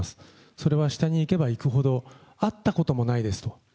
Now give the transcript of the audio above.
それは下にいけばいくほど、会ったこともないですと。